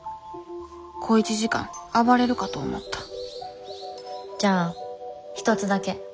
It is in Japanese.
小一時間暴れるかと思ったじゃあ一つだけ。